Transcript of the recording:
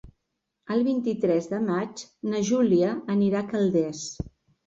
El vint-i-tres de maig na Júlia anirà a Calders.